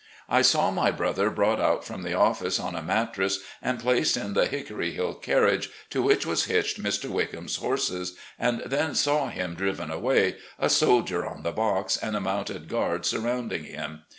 I saw my brother brought out from the office on a mattress, and placed in the "Hickory Hill" carriage, to which was hitched Mr. Wickham's horses, and then saw him driven away, a soldier on the box and a motmted guard svirrounding him.